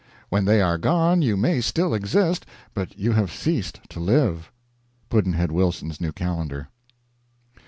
When they are gone you may still exist but you have ceased to live. Pudd'nhead Wilson's New Calendar.